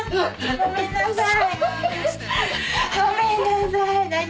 ごめんなさい。